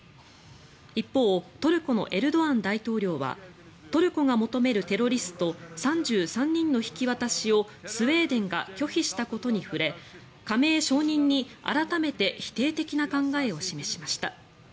一方トルコのエルドアン大統領はトルコが求めるテロリスト３３人の引き渡しをスウェーデンが拒否したことに触れ加盟承認に改めて否定的な考えを示しました。